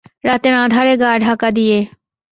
রাতের আঁধারে গা ঢাকা দিয়ে।